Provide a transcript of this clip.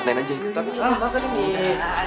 tapi siapa yang makan ini